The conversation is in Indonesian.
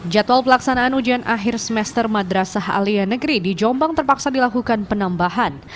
jadwal pelaksanaan ujian akhir semester madrasah alia negeri di jombang terpaksa dilakukan penambahan